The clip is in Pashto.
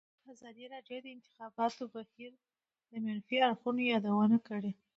ازادي راډیو د د انتخاباتو بهیر د منفي اړخونو یادونه کړې.